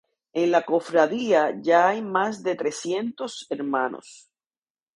En la cofradía ya hay más de trescientos hermanos.